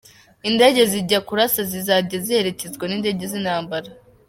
Indege zijya kurasa zizajya ziherekezwa n'indege z'intambara.